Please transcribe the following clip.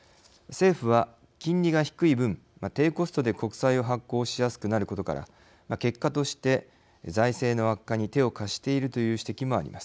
政府は金利が低い分、低コストで国債を発行しやすくなることから結果として、財政の悪化に手を貸しているという指摘もあります。